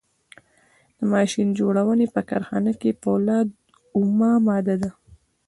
د ماشین جوړونې په کارخانه کې فولاد اومه ماده ده.